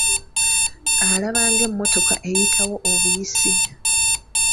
Alaba ng'emmotoka eyitawo obuyisi.